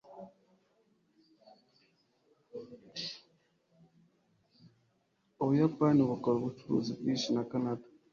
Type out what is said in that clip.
ubuyapani bukora ubucuruzi bwinshi na kanada